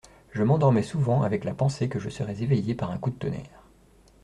Je m'endormais souvent avec la pensée que je serais éveillé par un coup de tonnerre.